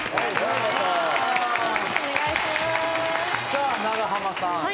さあ長濱さん。